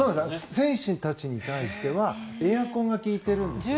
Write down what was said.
選手たちに対してはエアコンが利いてるんですね。